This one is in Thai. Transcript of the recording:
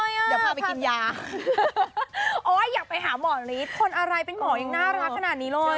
เดี๋ยวพาไปกินยาโอ๊ยอยากไปหาหมอฤทธิ์คนอะไรเป็นหมอยังน่ารักขนาดนี้เลย